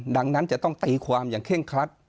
ดังนั้นจะต้องตีความอย่างเคร่งครัด